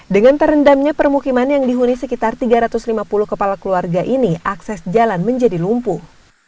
dengan terendamnya permukiman yang dihuni sekitar tiga ratus lima puluh kepala keluarga ini akses jalan menjadi lumpuh